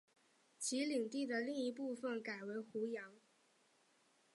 其领地的另一部分改称湖阳。